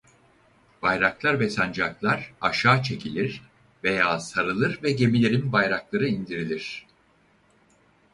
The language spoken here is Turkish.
Bayraklar ve sancaklar aşağı çekilir veya sarılır ve gemilerin bayrakları indirilir.